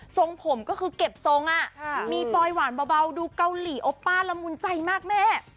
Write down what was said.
ทรงผมก็คือเก็บทรงมีปลอยหวานเบาดูเกาหลีโอป้าละมุนใจมากแม่